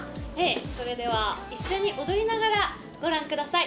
それでは一緒に踊りながらご覧ください。